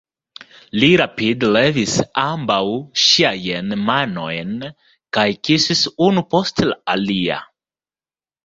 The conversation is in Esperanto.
Li rapide levis ambaŭ ŝiajn manojn kaj kisis unu post la alia.